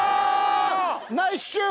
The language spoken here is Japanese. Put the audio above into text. ナイスシュー！